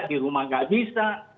di rumah nggak bisa